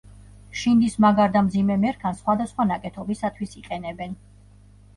შინდის მაგარ და მძიმე მერქანს სხვადასხვა ნაკეთობისათვის იყენებენ.